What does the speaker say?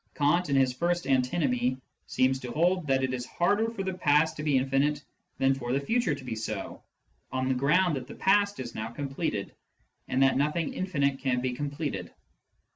Kant, in his first antinomy, seems to hold that it is harder for the past to be infinite than for the future to be so, on the ground that the past is now completed, and that nothing infinite can be completed.